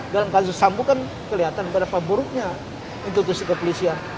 dalam kasus sambungan kelihatan berapa buruknya institusi kepolisian